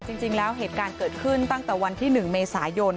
จริงแล้วเหตุการณ์เกิดขึ้นตั้งแต่วันที่๑เมษายน